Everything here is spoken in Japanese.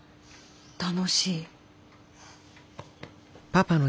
楽しい。